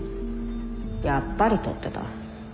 やっぱり撮ってた。